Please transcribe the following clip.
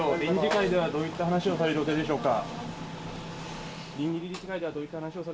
臨時理事会ではどういったお話をされるおつもりでしょうか。